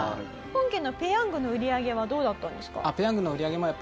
本家のペヤングの売り上げはどうだったんですか？